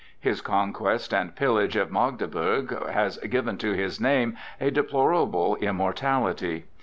His conquest and pillage of Magdeburg has given to his name a deplorable immortality.